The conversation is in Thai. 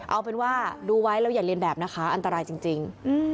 เอาเป็นว่าดูไว้แล้วอย่าเรียนแบบนะคะอันตรายจริง